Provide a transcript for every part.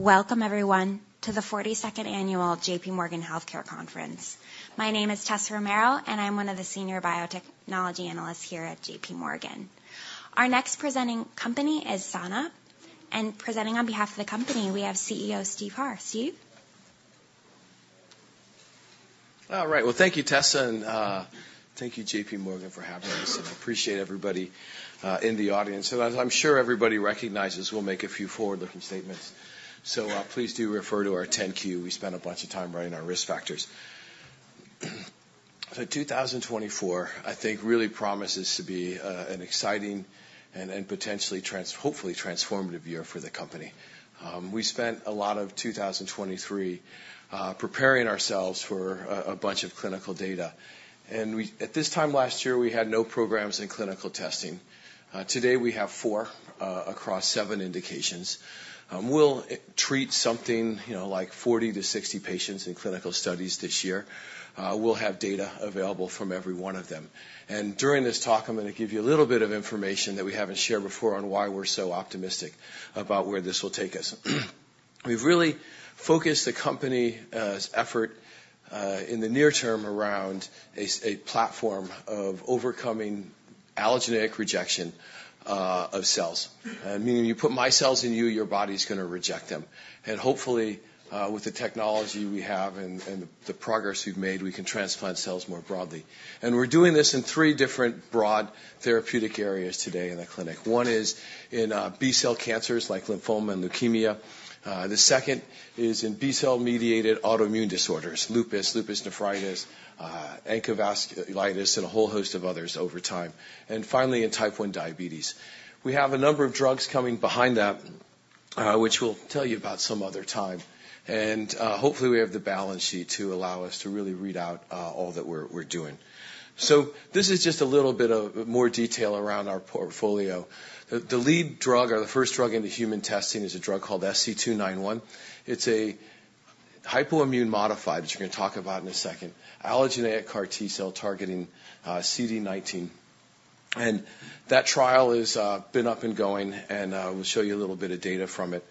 Welcome everyone, to the 42nd annual JPMorgan Healthcare Conference. My name is Tessa Romero, and I'm one of the senior biotechnology analysts here at JPMorgan. Our next presenting company is Sana, and presenting on behalf of the company, we have CEO Steve Harr. Steve? All right. Well, thank you, Tessa, and thank you, JPMorgan, for having us, and I appreciate everybody in the audience. So as I'm sure everybody recognizes, we'll make a few forward-looking statements, so please do refer to our 10-Q. We spent a bunch of time writing our risk factors. So 2024, I think, really promises to be an exciting and potentially transformative year for the company. We spent a lot of 2023 preparing ourselves for a bunch of clinical data, and we... At this time last year, we had no programs in clinical testing. Today, we have four across seven indications. We'll treat something, you know, like 40-60 patients in clinical studies this year. We'll have data available from every one of them. During this talk, I'm gonna give you a little bit of information that we haven't shared before on why we're so optimistic about where this will take us. We've really focused the company's effort in the near term around a platform of overcoming allogeneic rejection of cells. Meaning, you put my cells in you, your body's gonna reject them. And hopefully, with the technology we have and the progress we've made, we can transplant cells more broadly. And we're doing this in three different broad therapeutic areas today in the clinic. One is in B-cell cancers like lymphoma and leukemia. The second is in B-cell-mediated autoimmune disorders, Lupus, Lupus nephritis, ankylosing spondylitis, and a whole host of others over time, and finally, in type 1 diabetes. We have a number of drugs coming behind that, which we'll tell you about some other time, and hopefully, we have the balance sheet to allow us to really read out all that we're doing. So this is just a little bit more detail around our portfolio. The lead drug or the first drug into human testing is a drug called SC291. It's a hypoimmune modified allogeneic CAR T cell targeting CD19. And that trial has been up and going, and we'll show you a little bit of data from it.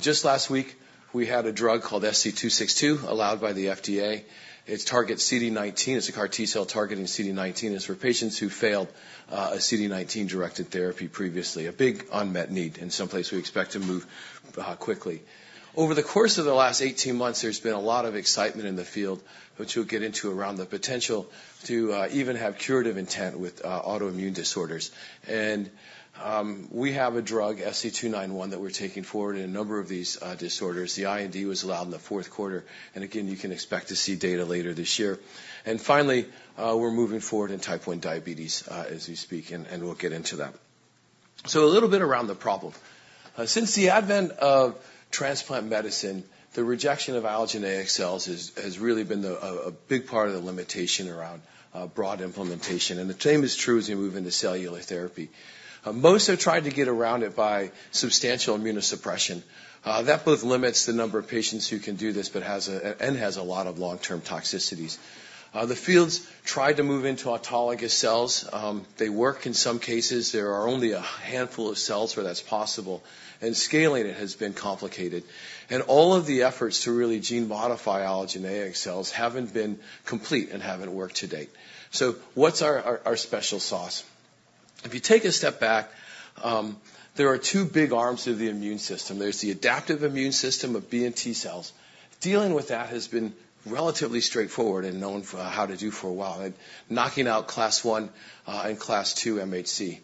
Just last week, we had a drug called SC262 allowed by the FDA. It targets CD22. It's a CAR T cell targeting CD22. It's for patients who failed a CD19-directed therapy previously, a big unmet need and someplace we expect to move quickly. Over the course of the last 18 months, there's been a lot of excitement in the field, which we'll get into, around the potential to even have curative intent with autoimmune disorders. And we have a drug, SC291, that we're taking forward in a number of these disorders. The IND was allowed in the fourth quarter, and again, you can expect to see data later this year. And finally, we're moving forward in type 1 diabetes as we speak, and we'll get into that. So a little bit around the problem. Since the advent of transplant medicine, the rejection of allogeneic cells has really been the big part of the limitation around broad implementation, and the same is true as you move into cellular therapy. Most have tried to get around it by substantial immunosuppression. That both limits the number of patients who can do this, but has a lot of long-term toxicities. The fields tried to move into autologous cells. They work in some cases. There are only a handful of cells where that's possible, and scaling it has been complicated. All of the efforts to really gene modify allogeneic cells haven't been complete and haven't worked to date. So what's our special sauce? If you take a step back, there are two big arms to the immune system. There's the adaptive immune system of B and T cells. Dealing with that has been relatively straightforward and known for how to do for a while, and knocking out class I class II MHC.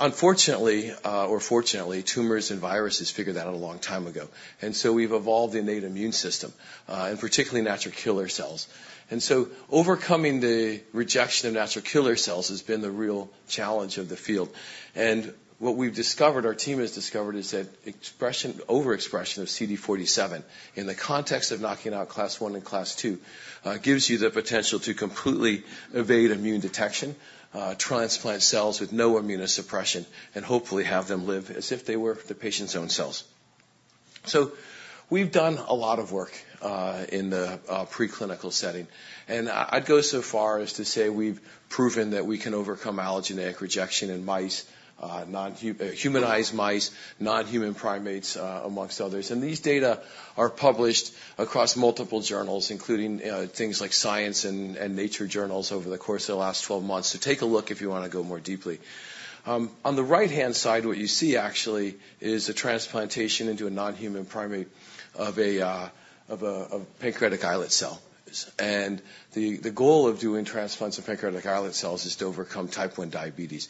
Unfortunately, or fortunately, tumors and viruses figured that out a long time ago, and so we've evolved the innate immune system and particularly natural killer cells. And so overcoming the rejection of natural killer cells has been the real challenge of the field. And what we've discovered, our team has discovered, is that expression... overexpression of CD47 in the context of knocking out class I class II gives you the potential to completely evade immune detection, transplant cells with no immunosuppression, and hopefully have them live as if they were the patient's own cells. So we've done a lot of work in the preclinical setting, and I'd go so far as to say we've proven that we can overcome allogeneic rejection in mice, non-humanized mice, nonhuman primates, amongst others. And these data are published across multiple journals, including things like Science and Nature journals over the course of the last 12 months. So take a look if you wanna go more deeply. On the right-hand side, what you see actually is a transplantation into a nonhuman primate of a pancreatic islet cell. And the goal of doing transplants of pancreatic islet cells is to overcome type 1 diabetes.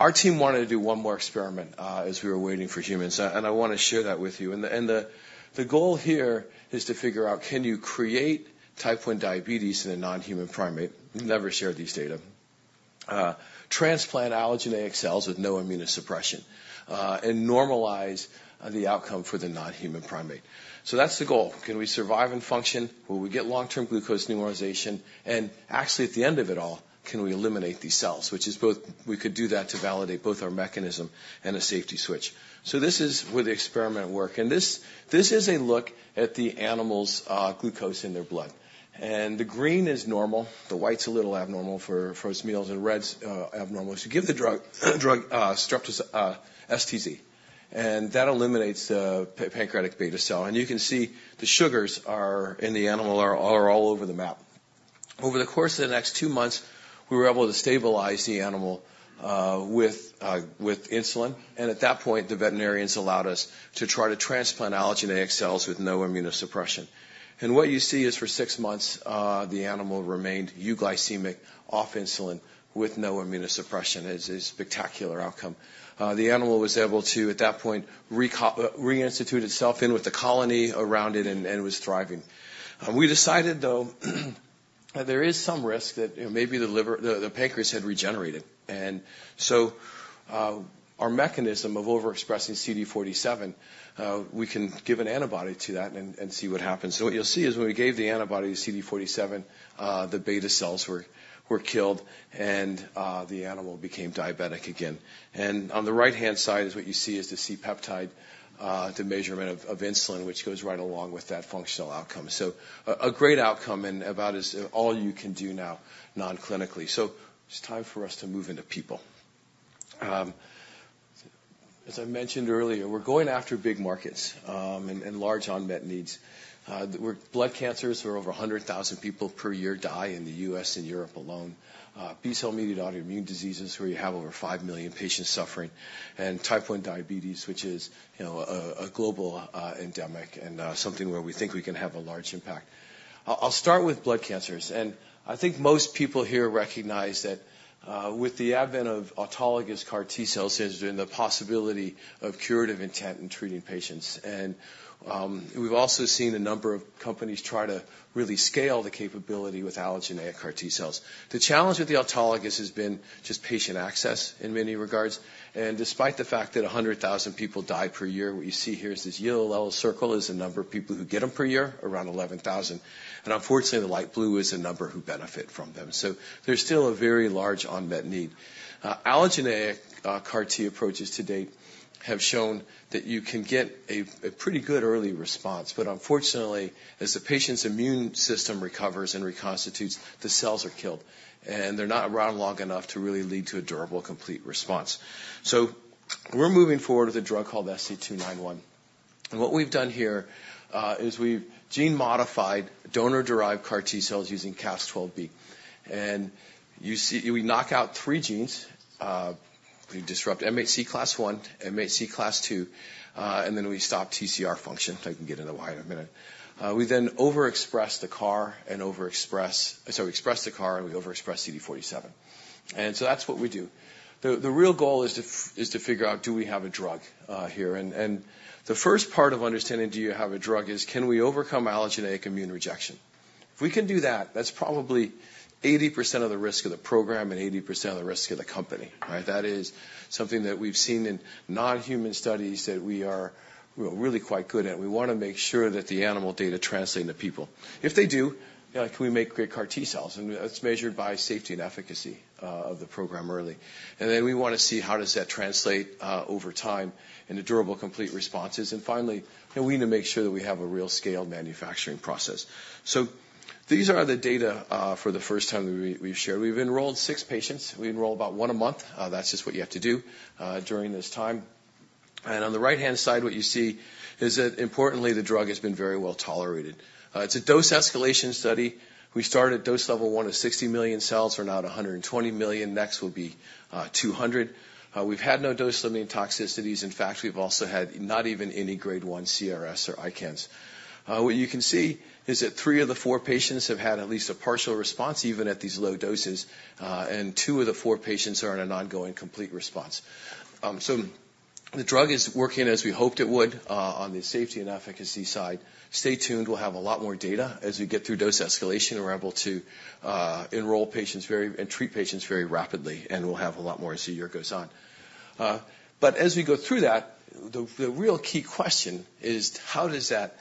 Our team wanted to do one more experiment as we were waiting for humans, and I wanna share that with you. The goal here is to figure out, can you create type 1 diabetes in a nonhuman primate? We've never shared these data. Transplant allogeneic cells with no immunosuppression, and normalize the outcome for the nonhuman primate. So that's the goal. Can we survive and function? Will we get long-term glucose normalization? And actually, at the end of it all, can we eliminate these cells, which is both... We could do that to validate both our mechanism and a safety switch. So this is where the experiment work, and this is a look at the animals' glucose in their blood. And the green is normal, the white's a little abnormal for its meals, and red's abnormal. So you give the drug, STZ, and that eliminates the pancreatic beta cell, and you can see the sugars in the animal are all over the map. Over the course of the next two months, we were able to stabilize the animal with insulin, and at that point, the veterinarians allowed us to try to transplant allogeneic cells with no immunosuppression. And what you see is for six months, the animal remained euglycemic, off insulin, with no immunosuppression. It's a spectacular outcome. The animal was able to, at that point, reinstitute itself in with the colony around it and was thriving. We decided, though, that there is some risk that, you know, maybe the pancreas had regenerated. And so, our mechanism of overexpressing CD47, we can give an antibody to that and see what happens. So what you'll see is when we gave the antibody, the CD47, the beta cells were killed, and the animal became diabetic again. And on the right-hand side is what you see is the C-peptide, the measurement of insulin, which goes right along with that functional outcome. So a great outcome and about as all you can do now, non-clinically. So it's time for us to move into people. As I mentioned earlier, we're going after big markets, and large unmet needs. We're blood cancers, where over 100,000 people per year die in the U.S. and Europe alone. B-cell mediated autoimmune diseases, where you have over 5 million patients suffering, and type I diabetes, which is, you know, a global, endemic and something where we think we can have a large impact. I'll start with blood cancers, and I think most people here recognize that with the advent of autologous CAR T cells, there's been the possibility of curative intent in treating patients. We've also seen a number of companies try to really scale the capability with allogeneic CAR T cells. The challenge with the autologous has been just patient access in many regards, and despite the fact that 100,000 people die per year, what you see here is this yellow circle is the number of people who get them per year, around 11,000. Unfortunately, the light blue is the number who benefit from them. So there's still a very large unmet need. Allogeneic CAR T approaches to date have shown that you can get a pretty good early response, but unfortunately, as the patient's immune system recovers and reconstitutes, the cells are killed, and they're not around long enough to really lead to a durable, complete response. So we're moving forward with a drug called SC291. And what we've done here is we've gene-modified donor-derived CAR T cells using Cas12b. And you see. We knock out three genes, we disrupt MHC class I, class II, and then we stop TCR function. I can get into why in a minute. We then overexpress the CAR and overexpress, so we express the CAR, and we overexpress CD47. And so that's what we do. The real goal is to figure out, do we have a drug here? And the first part of understanding, do you have a drug, is can we overcome allogeneic immune rejection? If we can do that, that's probably 80% of the risk of the program and 80% of the risk of the company, right? That is something that we've seen in non-human studies that we are, you know, really quite good at. We want to make sure that the animal data translate into people. If they do, can we make great CAR T cells? And that's measured by safety and efficacy of the program early. And then we want to see how does that translate over time into durable, complete responses. And finally, we need to make sure that we have a real scale manufacturing process. These are the data for the first time we've shared. We've enrolled six patients. We enroll about one a month. That's just what you have to do during this time. On the right-hand side, what you see is that, importantly, the drug has been very well tolerated. It's a dose escalation study. We start at dose level one of 60 million cells or now at 120 million. Next will be 200. We've had no dose-limiting toxicities. In fact, we've also had not even any grade one CRS or ICANS. What you can see is that three of the four patients have had at least a partial response, even at these low doses, and two of the four patients are in an ongoing complete response. So the drug is working as we hoped it would on the safety and efficacy side. Stay tuned. We'll have a lot more data as we get through dose escalation. We're able to enroll and treat patients very rapidly, and we'll have a lot more as the year goes on. But as we go through that, the real key question is, how does that early data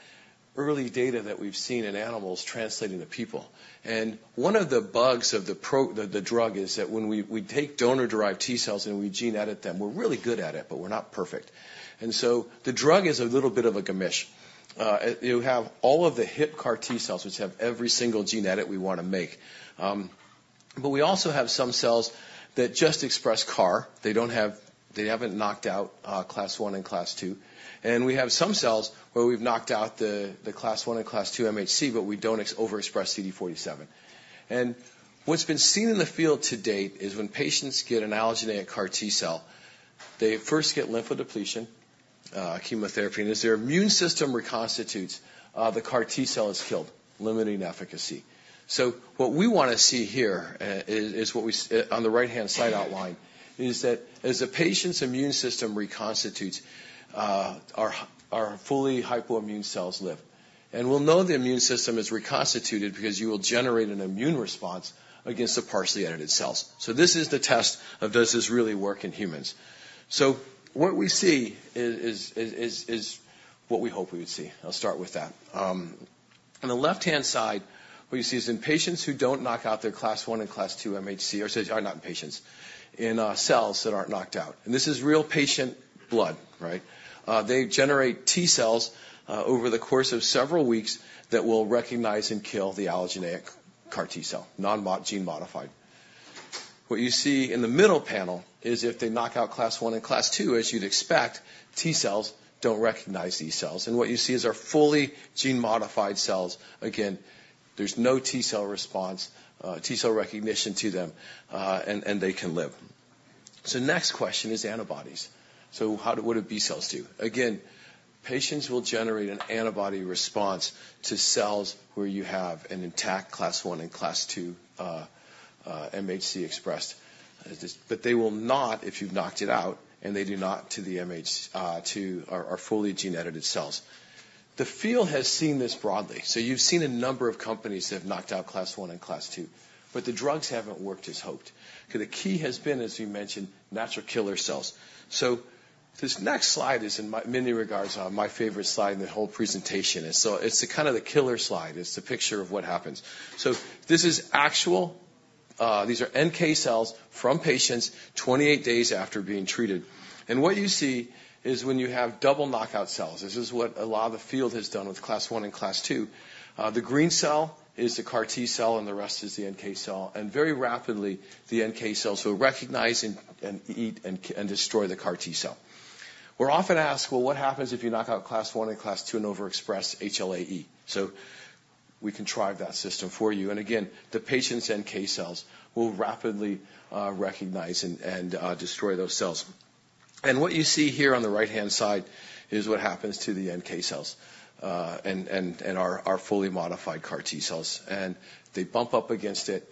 that we've seen in animals translate into people? And one of the bugs of the drug is that when we take donor-derived T cells, and we gene edit them, we're really good at it, but we're not perfect. And so the drug is a little bit of a gemisch. You have all of the hit CAR T cells, which have every single gene edit we want to make. But we also have some cells that just express CAR. They don't have. They haven't knocked out class I class II. and we have some cells where we've knocked out the class I class II MHC, but we don't overexpress CD47. And what's been seen in the field to date is when patients get an allogeneic CAR T cell, they first get lymphodepletion chemotherapy, and as their immune system reconstitutes, the CAR T cell is killed, limiting efficacy. So what we want to see here is what we see on the right-hand side outlined, is that as the patient's immune system reconstitutes, our fully hypoimmune cells live. And we'll know the immune system is reconstituted because you will generate an immune response against the partially edited cells. So this is the test of, does this really work in humans? So what we see is what we hope we would see. I'll start with that. On the left-hand side, what you see is in patients who don't knock out their class I class II MHC, or are not in patients, in cells that aren't knocked out. And this is real patient blood, right? They generate T cells over the course of several weeks that will recognize and kill the allogeneic CAR T cell, non-mod, gene modified. What you see in the middle panel is if they knock out class I class II, as you'd expect, T cells don't recognize these cells. And what you see is our fully gene-modified cells. Again, there's no T cell response, T cell recognition to them, and they can live. So next question is antibodies. So how would B-cells do? Again, patients will generate an antibody response to cells where you have an intact class I class II MHC expressed. But they will not, if you've knocked it out, and they do not to the MHC to our fully gene-edited cells. The field has seen this broadly. So you've seen a number of companies that have knocked out class I class II, but the drugs haven't worked as hoped. Because the key has been, as we mentioned, natural killer cells. So this next slide is in my many regards my favorite slide in the whole presentation. And so it's the kind of the killer slide. It's the picture of what happens. So this is actual, these are NK cells from patients 28 days after being treated. And what you see is when you have double knockout cells, this is what a lot of the field has done with class I class II. the green cell is the CAR T cell, and the rest is the NK cell, and very rapidly, the NK cells will recognize and eat and destroy the CAR T cell. We're often asked: Well, what happens if you knock out class I class II and overexpress HLA-E? We contrived that system for you. And again, the patient's NK cells will rapidly recognize and destroy those cells. And what you see here on the right-hand side is what happens to the NK cells and our fully modified CAR T cells. And they bump up against it,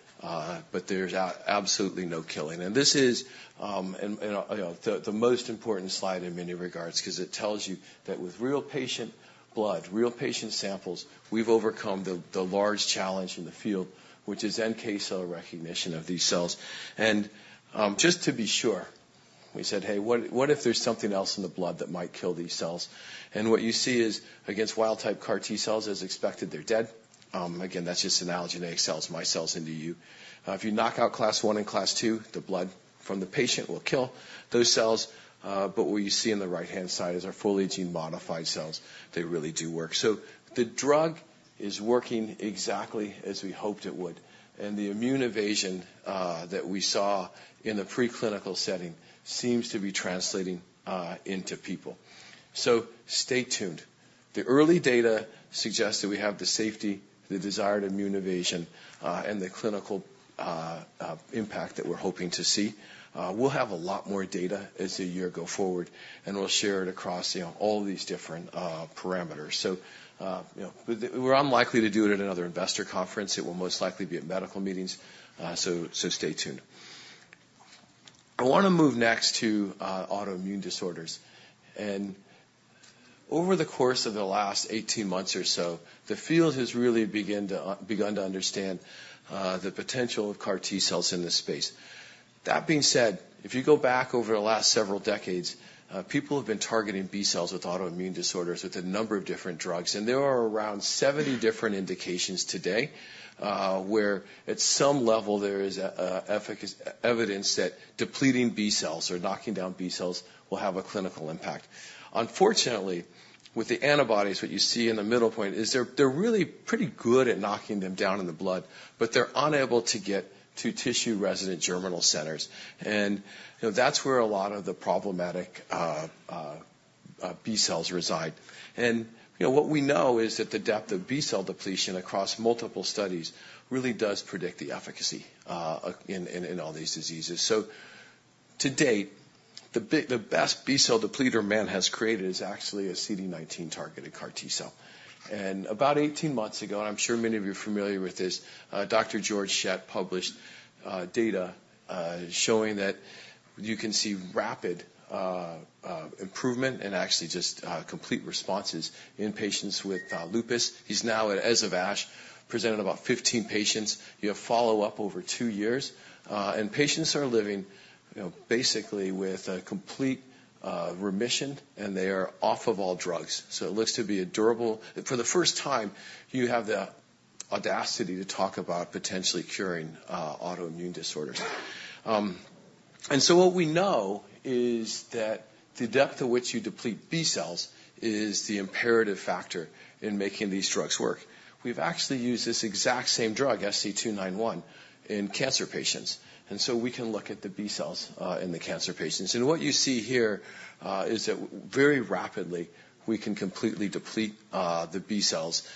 but there's absolutely no killing. This is you know the most important slide in many regards because it tells you that with real patient blood, real patient samples, we've overcome the large challenge in the field, which is NK cell recognition of these cells. Just to be sure, we said, "Hey, what if there's something else in the blood that might kill these cells?" And what you see is against wild-type CAR T cells, as expected, they're dead. Again, that's just allogeneic cells, my cells into you. If you knock out class I class II, the blood from the patient will kill those cells. But what you see on the right-hand side is our fully gene-modified cells. They really do work. So the drug is working exactly as we hoped it would, and the immune evasion that we saw in the preclinical setting seems to be translating into people. So stay tuned. The early data suggests that we have the safety, the desired immune evasion, and the clinical impact that we're hoping to see. We'll have a lot more data as the year go forward, and we'll share it across, you know, all these different parameters. So, you know, we're unlikely to do it at another investor conference. It will most likely be at medical meetings, so, so stay tuned. I wanna move next to autoimmune disorders. Over the course of the last 18 months or so, the field has really begin to begun to understand the potential of CAR T cells in this space. That being said, if you go back over the last several decades, people have been targeting B-cells with autoimmune disorders with a number of different drugs, and there are around 70 different indications today, where at some level, there is a evidence that depleting B-cells or knocking down B-cells will have a clinical impact. Unfortunately, with the antibodies, what you see in the middle point is they're really pretty good at knocking them down in the blood, but they're unable to get to tissue-resident germinal centers. And, you know, that's where a lot of the problematic B-cells reside. And, you know, what we know is that the depth of B-cell depletion across multiple studies really does predict the efficacy in all these diseases. So to date, the best B-cell depleter man has created is actually a CD19-targeted CAR T cell. And about 18 months ago, and I'm sure many of you are familiar with this, Dr. Georg Schett published data showing that you can see rapid improvement and actually just complete responses in patients with lupus. He's now, as of ASH, presented about 15 patients. You have follow-up over two years, and patients are living, you know, basically with a complete remission, and they are off of all drugs. So it looks to be a durable... For the first time, you have the audacity to talk about potentially curing autoimmune disorders. And so what we know is that the depth to which you deplete B-cells is the imperative factor in making these drugs work. We've actually used this exact same drug, SC291, in cancer patients, and so we can look at the B-cells in the cancer patients. And what you see here is that very rapidly, we can completely deplete the B-cells.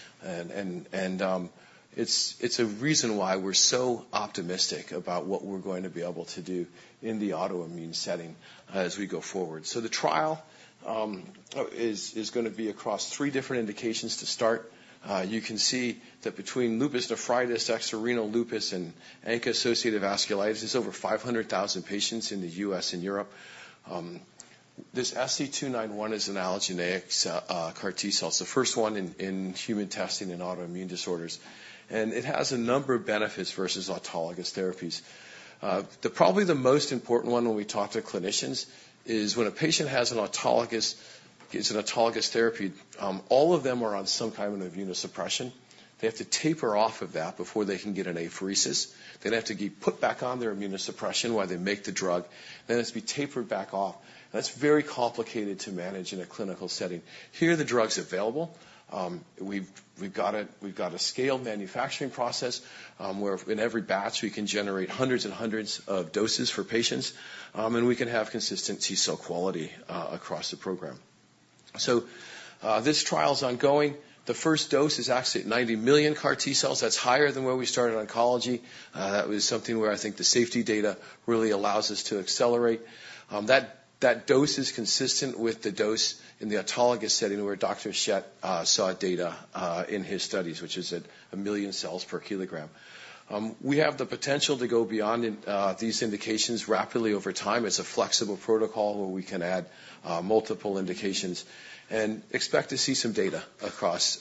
It's a reason why we're so optimistic about what we're going to be able to do in the autoimmune setting as we go forward. So the trial is gonna be across three different indications to start. You can see that between lupus nephritis, extrarenal lupus, and ANCA-associated vasculitis, there's over 500,000 patients in the U.S. and Europe. This SC291 is an allogeneic CAR T cells, the first one in human testing in autoimmune disorders. And it has a number of benefits versus autologous therapies. Probably the most important one when we talk to clinicians is when a patient has an autologous, gets an autologous therapy, all of them are on some kind of immunosuppression. They have to taper off of that before they can get an apheresis. They're gonna have to get put back on their immunosuppression while they make the drug, then has to be tapered back off. That's very complicated to manage in a clinical setting. Here, the drug's available. We've got a scaled manufacturing process, where in every batch, we can generate hundreds and hundreds of doses for patients, and we can have consistent T cell quality across the program. So, this trial's ongoing. The first dose is actually at 90 million CAR T cells. That's higher than where we started in oncology. That was something where I think the safety data really allows us to accelerate. That, that dose is consistent with the dose in the autologous setting, where Dr. Schett saw data in his studies, which is at 1 million cells per kg. We have the potential to go beyond in these indications rapidly over time. It's a flexible protocol where we can add multiple indications and expect to see some data across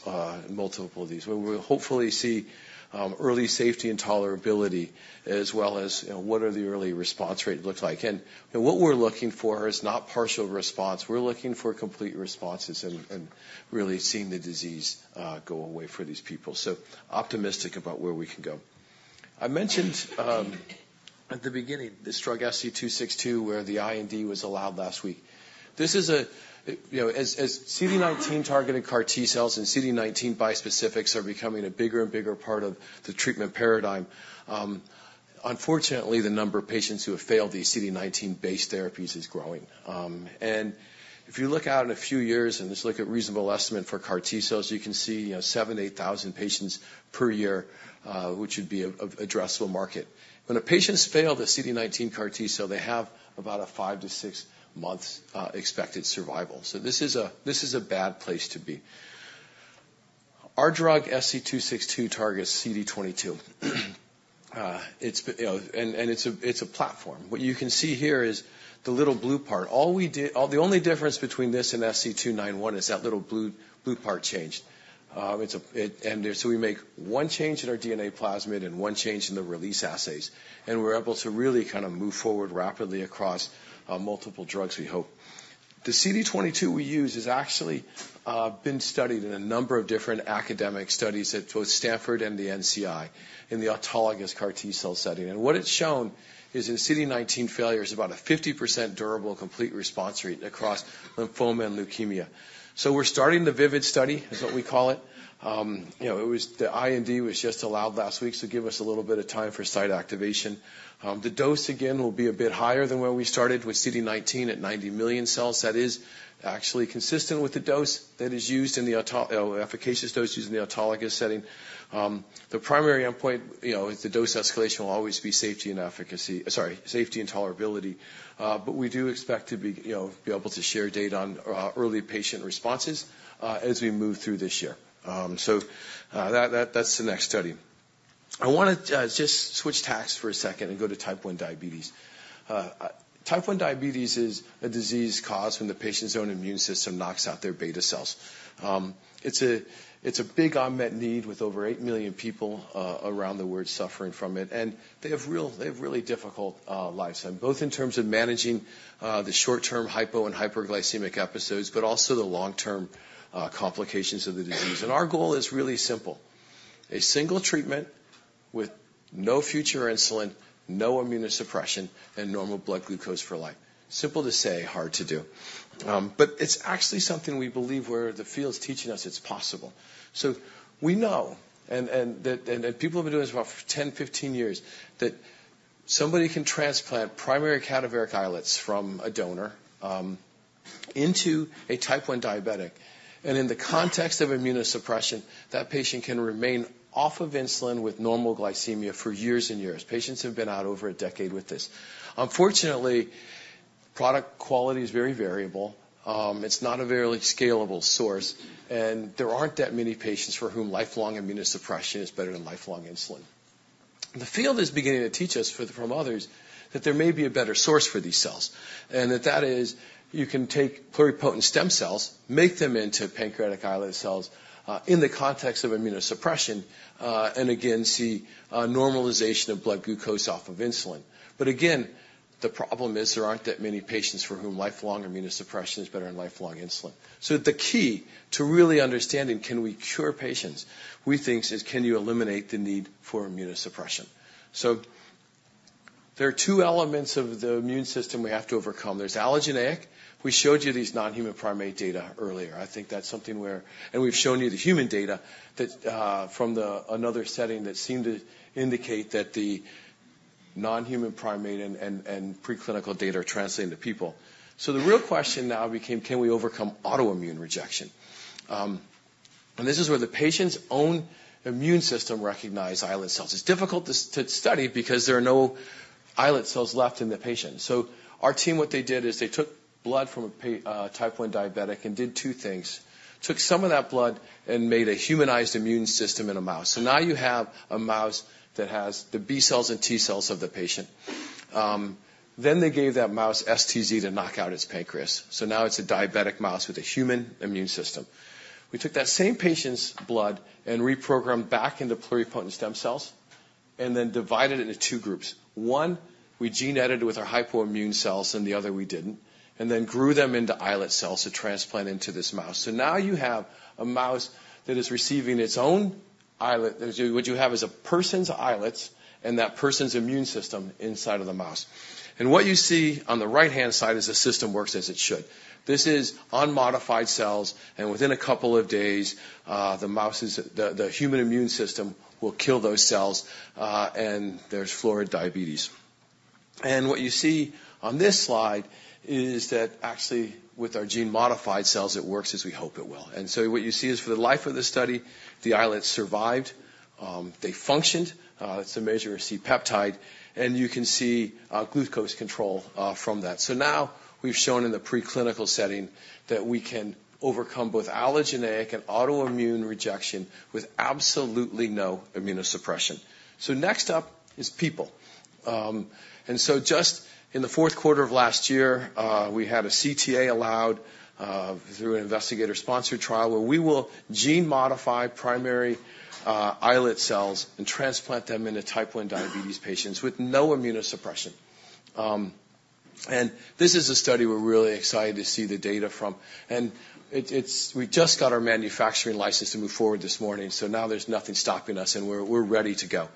multiple of these, where we'll hopefully see early safety and tolerability, as well as, you know, what the early response rate looks like. And, and what we're looking for is not partial response. We're looking for complete responses and, and really seeing the disease go away for these people. So optimistic about where we can go. I mentioned at the beginning, this drug SC262, where the IND was allowed last week. This is a you know, as CD19-targeted CAR T cells and CD19 bispecifics are becoming a bigger and bigger part of the treatment paradigm, unfortunately, the number of patients who have failed these CD19-based therapies is growing. And if you look out in a few years and just look at reasonable estimate for CAR T cells, you can see, you know, 7,000-8,000 patients per year, which would be a addressable market. When a patient's failed a CD19 CAR T cell, they have about a five to six months expected survival. So this is a, this is a bad place to be. Our drug, SC262, targets CD22. And it's a platform. What you can see here is the little blue part. The only difference between this and SC291 is that little blue, blue part changed. It's. And so we make one change in our DNA plasmid and one change in the release assays, and we're able to really kind of move forward rapidly across multiple drugs, we hope. The CD22 we use has actually been studied in a number of different academic studies at both Stanford and the NCI, in the autologous CAR T cell setting. And what it's shown is, in CD19 failures, about a 50% durable complete response rate across lymphoma and leukemia. So we're starting the VIVID study, is what we call it. You know, it was. The IND was just allowed last week, so give us a little bit of time for site activation. The dose, again, will be a bit higher than where we started with CD19 at 90 million cells. That is actually consistent with the efficacious dose used in the autologous setting. The primary endpoint, you know, with the dose escalation, will always be safety and efficacy, sorry, safety and tolerability. But we do expect to be, you know, able to share data on early patient responses as we move through this year. So, that's the next study. I wanna just switch tasks for a second and go to type 1 diabetes. type 1 diabetes is a disease caused when the patient's own immune system knocks out their beta cells. It's a big unmet need, with over 8 million people around the world suffering from it, and they have really difficult lives, both in terms of managing the short-term hypo and hyperglycemic episodes, but also the long-term complications of the disease. Our goal is really simple: a single treatment with no future insulin, no immunosuppression, and normal blood glucose for life. Simple to say, hard to do. But it's actually something we believe where the field's teaching us it's possible. We know people have been doing this for about 10, 15 years, that somebody can transplant primary cadaveric islets from a donor into a type 1 diabetic, and in the context of immunosuppression, that patient can remain off of insulin with normal glycemia for years and years. Patients have been out over a decade with this. Unfortunately, product quality is very variable. It's not a very scalable source, and there aren't that many patients for whom lifelong immunosuppression is better than lifelong insulin. The field is beginning to teach us from others that there may be a better source for these cells, and that is, you can take pluripotent stem cells, make them into pancreatic islet cells, in the context of immunosuppression, and again, see normalization of blood glucose off of insulin. But again, the problem is, there aren't that many patients for whom lifelong immunosuppression is better than lifelong insulin. So the key to really understanding, Can we cure patients? We think is, Can you eliminate the need for immunosuppression? So there are two elements of the immune system we have to overcome. There's allogeneic. We showed you these non-human primate data earlier. I think that's something where... And we've shown you the human data that from another setting that seemed to indicate that the non-human primate and preclinical data are translating to people. So the real question now became: Can we overcome autoimmune rejection? And this is where the patient's own immune system recognize islet cells. It's difficult to study because there are no islet cells left in the patient. So our team, what they did is, they took blood from a type 1 diabetic and did two things: took some of that blood and made a humanized immune system in a mouse. So now you have a mouse that has the B-cells and T cells of the patient. Then they gave that mouse STZ to knock out its pancreas, so now it's a diabetic mouse with a human immune system. We took that same patient's blood and reprogrammed back into pluripotent stem cells and then divided into two groups. One, we gene-edited with our hypoimmune cells, and the other we didn't, and then grew them into islet cells to transplant into this mouse. So now you have a mouse that is receiving its own islet. What you have is a person's islets and that person's immune system inside of the mouse. And what you see on the right-hand side is the system works as it should. This is unmodified cells, and within a couple of days, the mouse's the human immune system will kill those cells, and there's full-blown diabetes. What you see on this slide is that actually, with our gene-modified cells, it works as we hope it will. So what you see is, for the life of the study, the islets survived, they functioned, it's a measure of C-peptide, and you can see glucose control from that. So now we've shown in the preclinical setting that we can overcome both allogeneic and autoimmune rejection with absolutely no immunosuppression. Next up is people. And so just in the fourth quarter of last year, we had a CTA allowed through an investigator-sponsored trial, where we will gene-modify primary islet cells and transplant them into type 1 diabetes patients with no immunosuppression. And this is a study we're really excited to see the data from, and it's, we just got our manufacturing license to move forward this morning, so now there's nothing stopping us, and we're ready to go.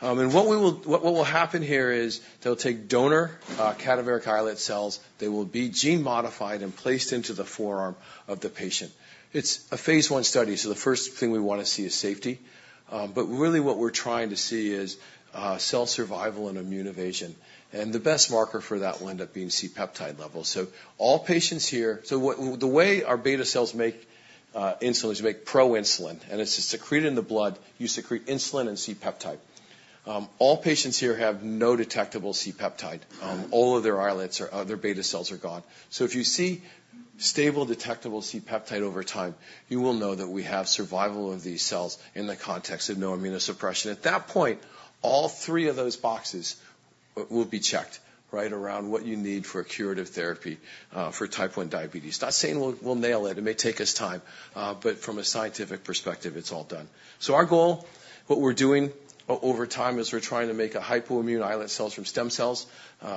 And what will happen here is they'll take donor cadaveric islet cells. They will be gene-modified and placed into the forearm of the patient. It's a phase 1 study, so the first thing we want to see is safety. But really what we're trying to see is cell survival and immune evasion, and the best marker for that will end up being C-peptide levels. So all patients here. So what, the way our beta cells make insulin is you make proinsulin, and it's secreted in the blood. You secrete insulin and C-peptide. All patients here have no detectable C-peptide. All of their islets or their beta cells are gone. So if you see stable, detectable C-peptide over time, you will know that we have survival of these cells in the context of no immunosuppression. At that point, all three of those boxes will be checked, right around what you need for a curative therapy, for type 1 diabetes. Not saying we'll nail it, it may take us time, but from a scientific perspective, it's all done. So our goal, what we're doing over time, is we're trying to make hypoimmune islet cells from stem cells.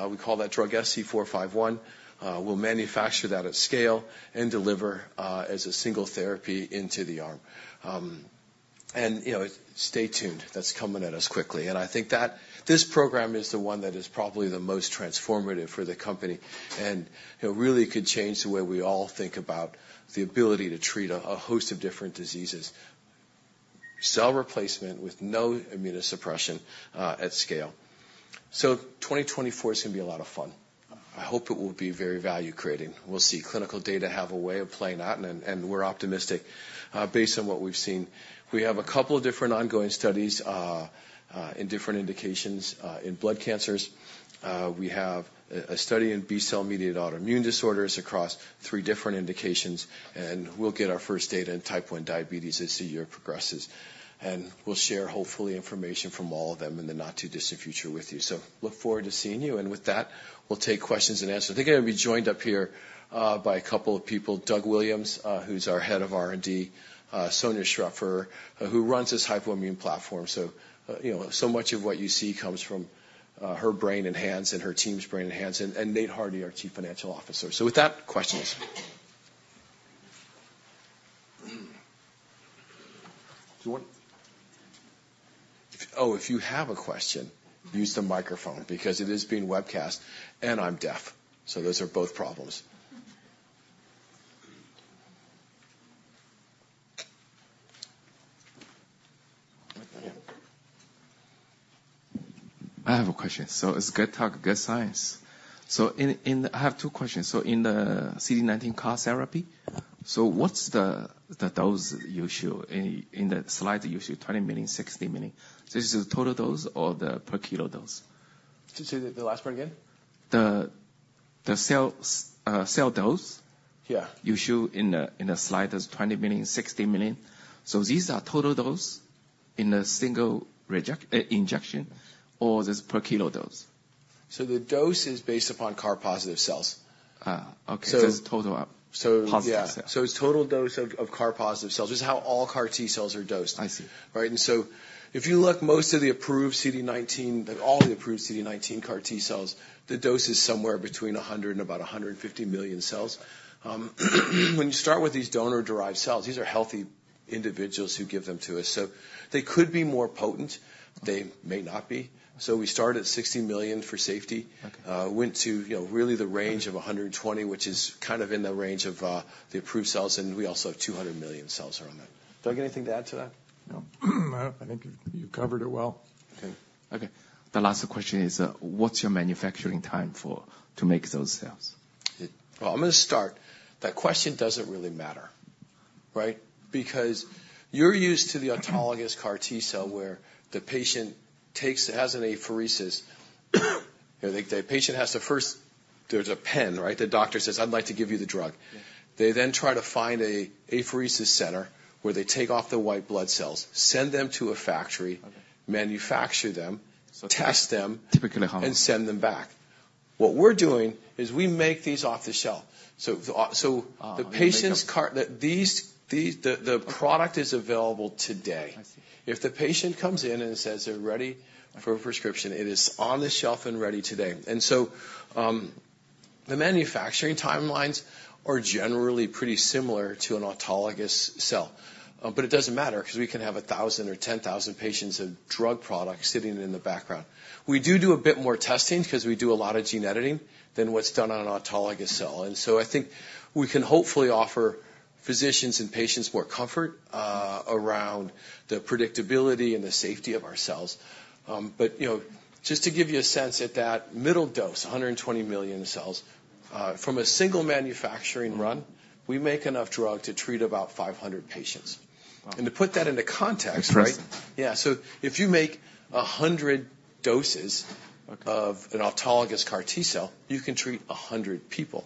We call that drug SC451. We'll manufacture that at scale and deliver, as a single therapy into the arm. And, you know, stay tuned. That's coming at us quickly. I think that this program is the one that is probably the most transformative for the company, and it really could change the way we all think about the ability to treat a host of different diseases. Cell replacement with no immunosuppression at scale. 2024 is going to be a lot of fun. I hope it will be very value-creating. We'll see. Clinical data have a way of playing out, and we're optimistic based on what we've seen. We have a couple of different ongoing studies in different indications in blood cancers. We have a study in B-cell-mediated autoimmune disorders across three different indications, and we'll get our first data in type 1 diabetes as the year progresses. We'll share, hopefully, information from all of them in the not-too-distant future with you. So look forward to seeing you. And with that, we'll take questions and answers. I think I'm going to be joined up here by a couple of people. Doug Williams, who's our Head of R&D, Sonja Schrepfer, who runs this hypoimmune platform. So, you know, so much of what you see comes from her brain and hands and her team's brain and hands, and Nate Hardy, our Chief Financial Officer. So with that, questions? Do you want... Oh, if you have a question, use the microphone because it is being webcast, and I'm deaf, so those are both problems. I have a question. So it's good talk, good science. So I have two questions. So in the CD19 CAR therapy, so what's the dose you show in the slide, you show 20 million, 60 million. This is total dose or the per kilo dose? Just say the last part again. The cell dose. Yeah. You show in the slide, there's 20 million, 60 million. So these are total dose in a single regimen, injection, or this per kilo dose? So the dose is based upon CAR-positive cells. Ah, okay. So- Just total up- So-... positive cells. Yeah. So it's total dose of CAR-positive cells. This is how all CAR T cells are dosed. I see. Right? And so if you look, most of the approved CD19, that all the approved CD19 CAR T cells, the dose is somewhere between 100 million and about 150 million cells. When you start with these donor-derived cells, these are healthy individuals who give them to us, so they could be more potent. They may not be. So we start at 60 million for safety- Okay... went to, you know, really the range of 120, which is kind of in the range of the approved cells, and we also have 200 million cells around that. Doug, anything to add to that? No. I think you covered it well. Okay. Okay. The last question is, what's your manufacturing time for to make those cells? Well, I'm gonna start. That question doesn't really matter, right? Because you're used to the autologous CAR T cell, where the patient takes--has an apheresis. The, the patient has to first... There's a pen, right? The doctor says: "I'd like to give you the drug. Yeah. They then try to find an apheresis center, where they take off the white blood cells, send them to a factory- Okay... manufacture them, test them- Typically home... and send them back. What we're doing is we make these off the shelf. So, the- Ah, you make them. the patient's CAR, the product is available today. I see. If the patient comes in and says they're ready for a prescription, it is on the shelf and ready today. And so, the manufacturing timelines are generally pretty similar to an autologous cell. But it doesn't matter, 'cause we can have 1,000 or 10,000 patients of drug product sitting in the background. We do do a bit more testing, 'cause we do a lot of gene editing, than what's done on an autologous cell. And so I think we can hopefully offer physicians and patients more comfort, around the predictability and the safety of our cells. But, you know, just to give you a sense, at that middle dose, 120 million cells, from a single manufacturing run- Mm-hmm. We make enough drug to treat about 500 patients. Wow! To put that into context, right? That's interesting. Yeah, so if you make 100 doses- Okay... of an autologous CAR T cell, you can treat 100 people.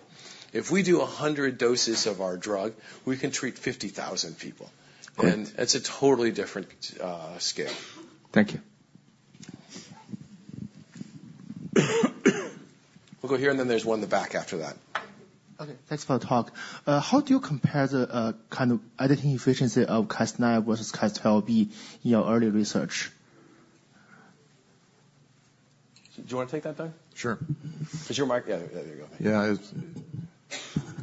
If we do 100 doses of our drug, we can treat 50,000 people. Right. That's a totally different scale. Thank you. We'll go here, and then there's one in the back after that. Okay, thanks for the talk. How do you compare the kind of editing efficiency of Cas9 versus Cas12b in your early research? Do you want to take that, Doug? Sure. Is your mic... Yeah, yeah, there you go. Yeah, it's...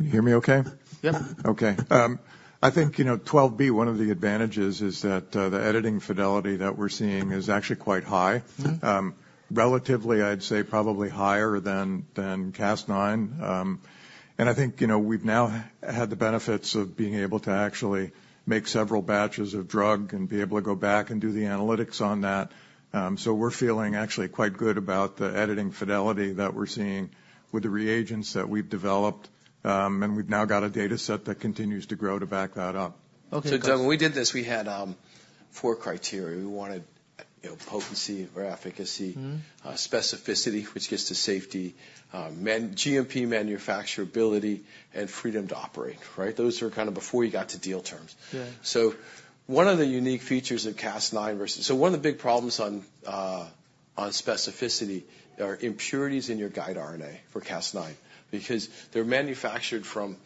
You hear me okay? Yeah. Okay. I think, you know, Cas12b, one of the advantages is that the editing fidelity that we're seeing is actually quite high. Mm-hmm. Relatively, I'd say probably higher than Cas9. And I think, you know, we've now had the benefits of being able to actually make several batches of drug and be able to go back and do the analytics on that. So we're feeling actually quite good about the editing fidelity that we're seeing with the reagents that we've developed. And we've now got a data set that continues to grow to back that up. Okay, thanks. So when we did this, we had four criteria. We wanted, you know, potency or efficacy- Mm-hmm. specificity, which gets to safety, GMP manufacturability, and freedom to operate, right? Those are kind of before you got to deal terms. Yeah. So one of the big problems on specificity are impurities in your guide RNA for Cas9, because they're manufactured from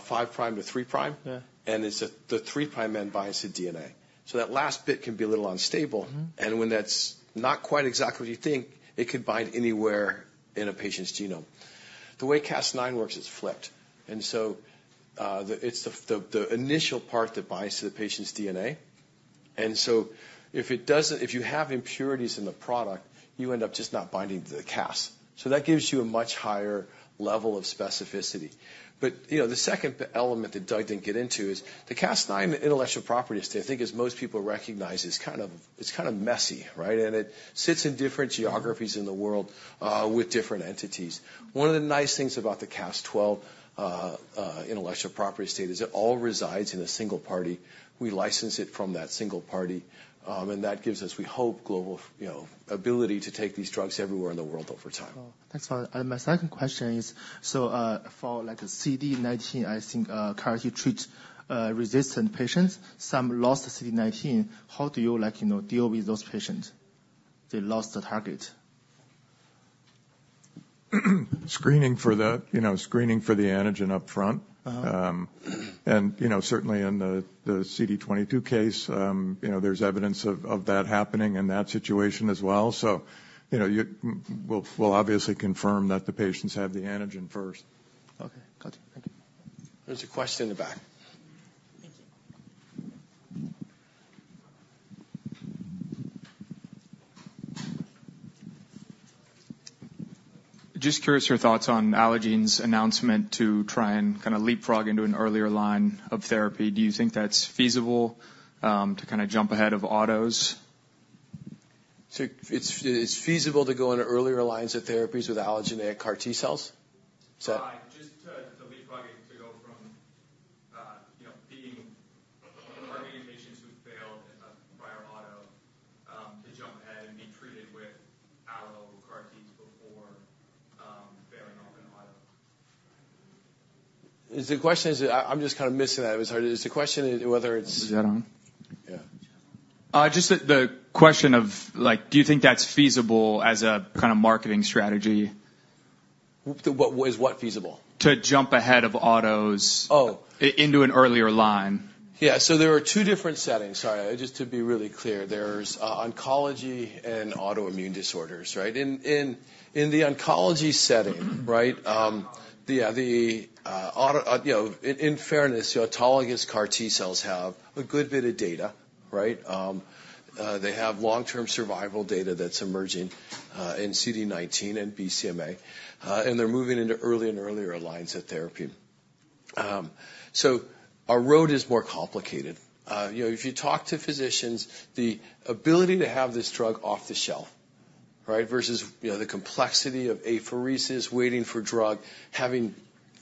five prime to three prime. Yeah. It's the three prime then binds to DNA. That last bit can be a little unstable. Mm-hmm. When that's not quite exactly what you think, it could bind anywhere in a patient's genome. The way Cas9 works, it's flipped, and so, it's the initial part that binds to the patient's DNA. And so if it doesn't, if you have impurities in the product, you end up just not binding to the Cas. So that gives you a much higher level of specificity. But, you know, the second element that Doug didn't get into is, the Cas9 intellectual property estate, I think, as most people recognize, is kind of, it's kind of messy, right? And it sits in different geographies in the world, with different entities. One of the nice things about the Cas12 intellectual property estate is it all resides in a single party. We license it from that single party. And that gives us, we hope, global, you know, ability to take these drugs everywhere in the world over time. Wow! Thanks a lot. And my second question is, so, for, like, CD19, I think, CAR T treat, resistant patients, some lost CD19. How do you, like, you know, deal with those patients? They lost the target. Screening for the, you know, screening for the antigen upfront. Uh-huh. You know, certainly in the CD22 case, you know, there's evidence of that happening in that situation as well. So, you know, we'll, we'll obviously confirm that the patients have the antigen first. Okay. Got you. Thank you. There's a question in the back. Thank you. Just curious, your thoughts on Allogene's announcement to try and kind of leapfrog into an earlier line of therapy. Do you think that's feasible, to kind of jump ahead of autos? So it's feasible to go into earlier lines of therapies with allogeneic CAR T cells? Just to leapfrog, to go from, you know, being targeting patients who've failed in a prior auto, to jump ahead and be treated with allogeneic CAR T before failing off an auto. Is the question... I'm just kind of missing that. It's hard. Is the question whether it's- Is that on? Yeah. Just the question of, like, do you think that's feasible as a kind of marketing strategy? To what... is what feasible? To jump ahead of autos- Oh. into an earlier line. Yeah, so there are two different settings. Sorry, just to be really clear. There's oncology and autoimmune disorders, right? In the oncology setting, right, you know, in fairness, you know, autologous CAR T cells have a good bit of data, right? They have long-term survival data that's emerging in CD19 and BCMA, and they're moving into early and earlier lines of therapy. So our road is more complicated. You know, if you talk to physicians, the ability to have this drug off the shelf, right, versus, you know, the complexity of apheresis, waiting for drug, having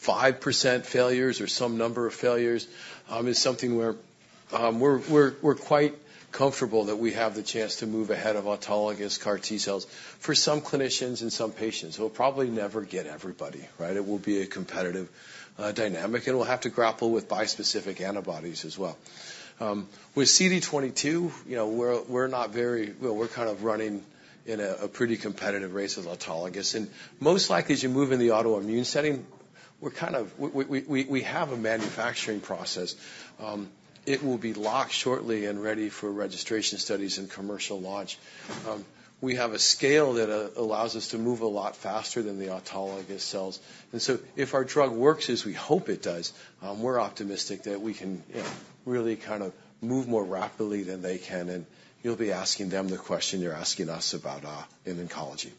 5% failures or some number of failures, is something where we're quite comfortable that we have the chance to move ahead of autologous CAR T cells for some clinicians and some patients. We'll probably never get everybody, right? It will be a competitive dynamic, and we'll have to grapple with bispecific antibodies as well. With CD22, you know, we're not very... Well, we're kind of running in a pretty competitive race with autologous. And most likely, as you move in the autoimmune setting-... We're kind of-- We have a manufacturing process. It will be locked shortly and ready for registration studies and commercial launch. We have a scale that allows us to move a lot faster than the autologous cells. And so if our drug works as we hope it does, we're optimistic that we can, you know, really kind of move more rapidly than they can, and you'll be asking them the question you're asking us about in oncology.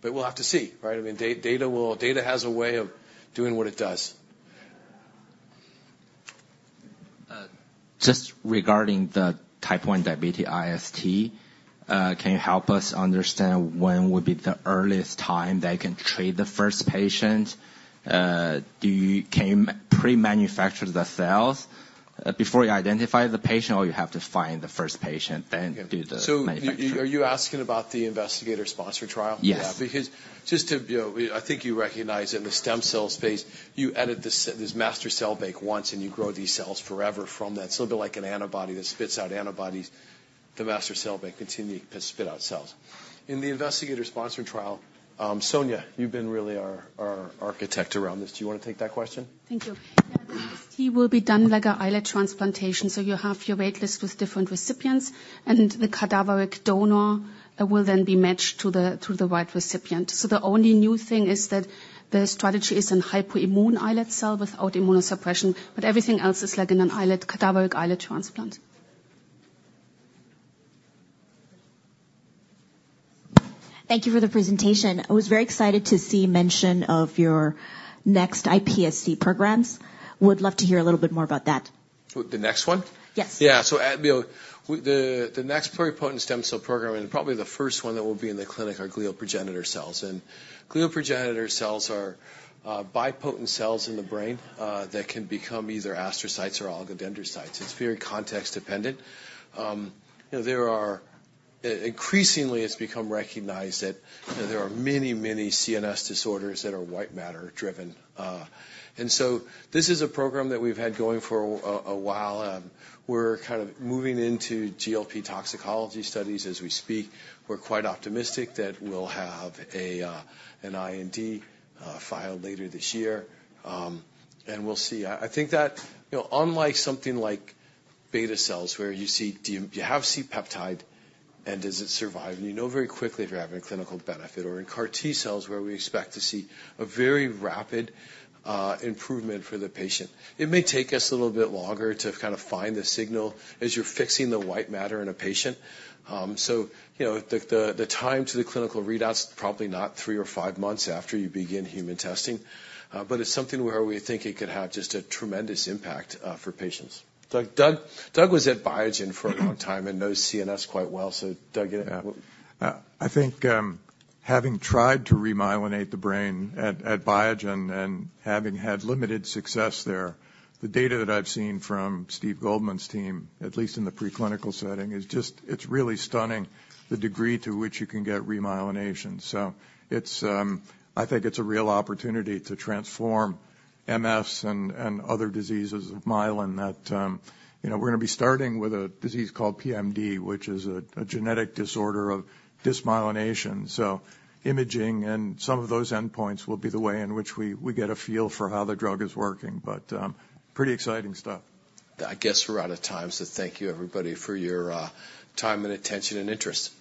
But we'll have to see, right? I mean, data has a way of doing what it does. Just regarding the type 1 diabetes IST, can you help us understand when would be the earliest time that they can treat the first patient? Can you pre-manufacture the cells before you identify the patient, or you have to find the first patient, then do the manufacturing? So are you asking about the investigator-sponsored trial? Yes. Yeah, because just to, you know, I think you recognize in the stem cell space, you edit this master cell bank once, and you grow these cells forever from that. It's a little bit like an antibody that spits out antibodies. The master cell bank continue to spit out cells. In the investigator-sponsored trial, Sonja, you've been really our architect around this. Do you want to take that question? Thank you. Yeah, the IST will be done like an islet transplantation, so you have your wait list with different recipients, and the cadaveric donor will then be matched to the right recipient. So the only new thing is that the strategy is in hypoimmune islet cell without immunosuppression, but everything else is like in an islet, cadaveric islet transplant. Thank you for the presentation. I was very excited to see mention of your next iPSC programs. Would love to hear a little bit more about that. The next one? Yes. Yeah, so, you know, the next pluripotent stem cell program, and probably the first one that will be in the clinic, are glial progenitor cells. Glial progenitor cells are bipotent cells in the brain that can become either astrocytes or oligodendrocytes. It's very context dependent. You know, increasingly, it's become recognized that there are many, many CNS disorders that are white matter driven. So this is a program that we've had going for a while, and we're kind of moving into GLP toxicology studies as we speak. We're quite optimistic that we'll have an IND filed later this year. And we'll see. I think that, you know, unlike something like beta cells, where you see D-- you have C-peptide, and does it survive? You know very quickly if you're having a clinical benefit or in CAR T cells, where we expect to see a very rapid improvement for the patient. It may take us a little bit longer to kind of find the signal as you're fixing the white matter in a patient. So, you know, the time to the clinical readouts probably not three or five months after you begin human testing, but it's something where we think it could have just a tremendous impact for patients. Doug was at Biogen for a long time and knows CNS quite well. So, Doug, yeah, what- I think, having tried to remyelinate the brain at Biogen and having had limited success there, the data that I've seen from Steve Goldman's team, at least in the preclinical setting, is just, it's really stunning, the degree to which you can get remyelination. So it's, I think it's a real opportunity to transform MS and other diseases of myelin that, you know, we're gonna be starting with a disease called PMD, which is a genetic disorder of dysmyelination. So imaging and some of those endpoints will be the way in which we get a feel for how the drug is working, but, pretty exciting stuff. I guess we're out of time, so thank you, everybody, for your time and attention and interest.